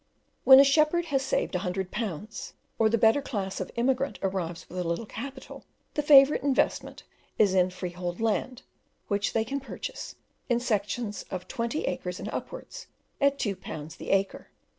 When a shepherd has saved a hundred pounds, or the better class of immigrant arrives with a little capital, the favourite investment is in freehold land, which they can purchase, in sections of twenty acres and upwards, at 2 pounds the acre.